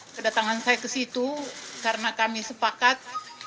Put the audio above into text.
kedatangan saya ke situ karena kami sepakat